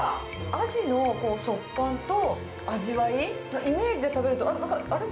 アジの食感と、味わいのイメージで食べると、あれ？